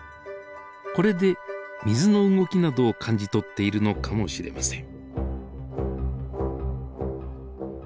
これで水の動きなどを感じ取っているのかもしれません。